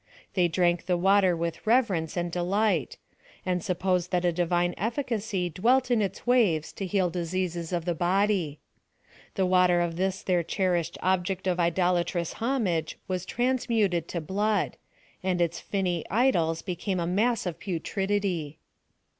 They drank the wa^'er with reverence and delight; and supposed that a divine efficacy dwelt in its waves to heal diseases of the body. The water of this their cherished object of idolatrous homage was transmuted to blood; and its finny idols became a mass of putridity.